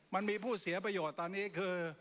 มันมีผู้เสียประโยชน์ตอนนี้คือ